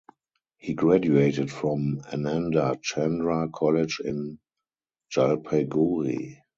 He graduated from Ananda Chandra College in Jalpaiguri.